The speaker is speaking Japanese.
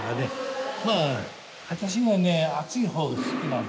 まあ私はね熱い方が好きなの。